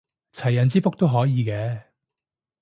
齊人之福都可以嘅